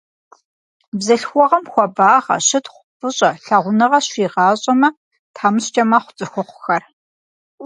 Бзылъхугъэм хуабагъэ, щытхъу, фӀыщӀэ, лъагъуныгъэ щигъащӀэмэ, тхьэмыщкӀэ мэхъу цӏыхухъухэр.